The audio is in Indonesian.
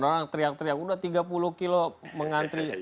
orang teriak teriak udah tiga puluh kilo mengantri